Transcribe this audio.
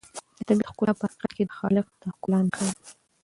د طبیعت ښکلا په حقیقت کې د خالق د ښکلا نښه ده.